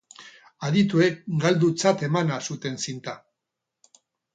Adituek galdutzat emana zuten zinta.